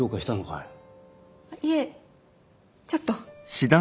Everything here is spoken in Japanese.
いえちょっと。